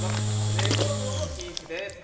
寝転ぶのも禁止です。